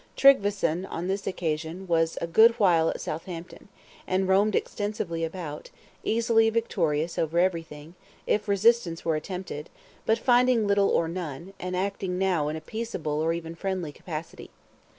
Tryggveson, on this occasion, was a good while at Southampton; and roamed extensively about, easily victorious over everything, if resistance were attempted, but finding little or none; and acting now in a peaceable or even friendly capacity.